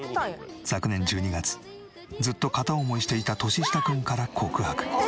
昨年１２月ずっと片思いしていた年下くんから告白。